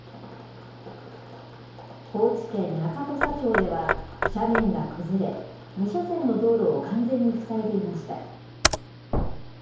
高知県中土佐町では、斜面が崩れ、２車線の道路を完全に塞いでいました。